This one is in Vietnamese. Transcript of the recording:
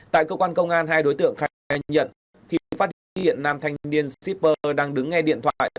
tại cơ quan công an hai đối tượng khai nhận khi phát hiện hiện nam thanh niên shipper đang đứng nghe điện thoại